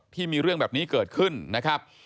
ที่มีเรื่องแบบนี้เกิดขึ้นนะครับ